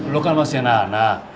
lo kan mau siana anak